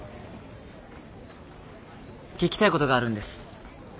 聞きたいことがあるんです。